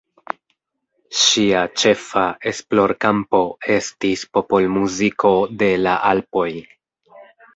Ŝia ĉefa esplorkampo estis popolmuziko de la Alpoj.